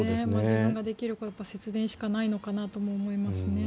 自分ができることは節電しかないのかなと思いますね。